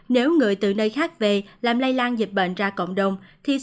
nếu người từ nơi khác về làm lây lan dịch bệnh ra cộng đồng